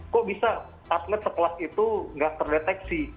kok bisa tasline sekelas itu nggak terdeteksi